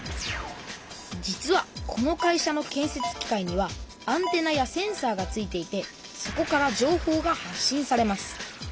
実はこの会社の建せつ機械にはアンテナやセンサーがついていてそこからじょうほうが発信されます。